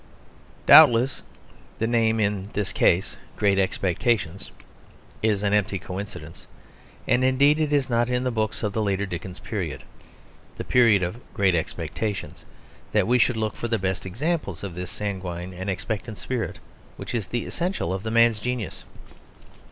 Doubtless the name in this case Great Expectations is an empty coincidence; and indeed it is not in the books of the later Dickens period (the period of Great Expectations) that we should look for the best examples of this sanguine and expectant spirit which is the essential of the man's genius.